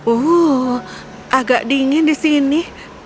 uu agak dingin di sini